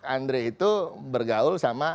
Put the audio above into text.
andri itu bergaul sama